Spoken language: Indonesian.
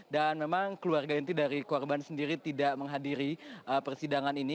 dan memang keluarga ini dari korban sendiri tidak menghadiri persidangan ini